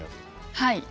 はい。